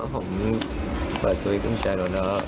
ผมเปิดสกุริสดีแล้ว